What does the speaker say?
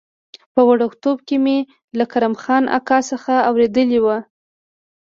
په وړکتوب کې مې له کرم خان اکا څخه اورېدلي و.